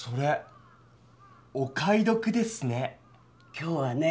今日はね